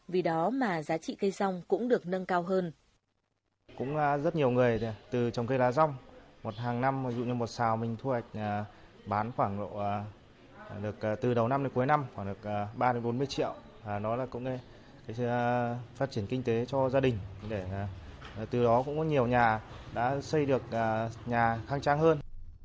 vì đó mà giá trị cây rong cũng được nâng cao hơn